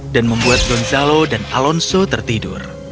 dan membuat gonzalo dan alonso tertidur